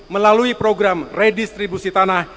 melalui program redistribusi tanah